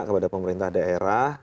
kepada pemerintah daerah